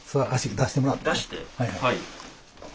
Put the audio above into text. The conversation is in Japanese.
出してはい。